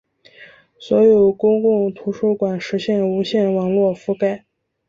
所有公共图书馆实现无线网络覆盖。